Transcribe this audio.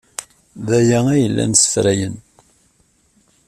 D aya ay llan ssefrayen.